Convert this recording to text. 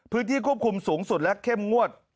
พื้นที่ควบคุมสูงสุดและเข้มงวด